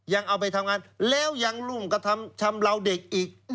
ยังเอาไปทำงานแล้วยังร่วมกระทำชำราวเด็กอีก